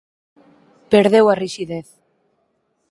Perdeu a rixidez.